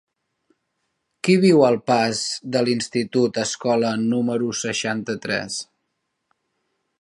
Qui viu al pas de l'Institut Escola número seixanta-tres?